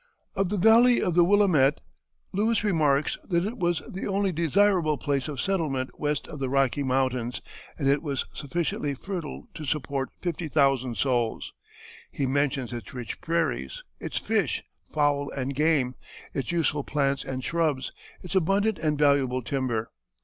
Of the valley of the Willamette, Lewis remarks that it was the only desirable place of settlement west of the Rocky Mountains, and it was sufficiently fertile to support 50,000 souls. He mentions its rich prairies, its fish, fowl, and game, its useful plants and shrubs, its abundant and valuable timber.